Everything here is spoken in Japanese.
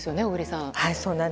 小栗さん。